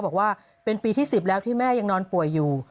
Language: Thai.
บอกว่าเป็นปีที่๑๐แล้วที่แม่ยังนอนป่วยอยู่